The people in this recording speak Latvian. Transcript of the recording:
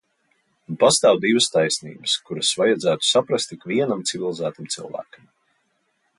Un pastāv divas taisnības, kuras vajadzētu saprast ikvienam civilizētam cilvēkam.